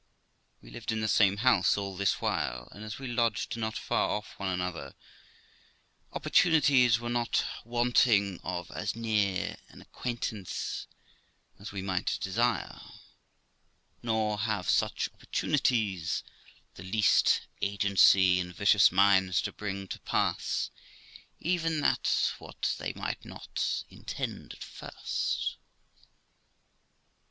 We lived in the same house all this while, and as we lodged not far off of one another, opportunities were not wanting of as near an acquaint ance as we might desire; nor have such opportunities the least agency in vicious minds to bring to pass even what they might not intend at first.